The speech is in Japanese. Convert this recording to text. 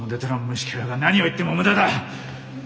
虫けらが何を言っても無駄だ！